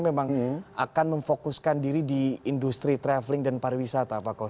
memang akan memfokuskan diri di industri traveling dan pariwisata pak kos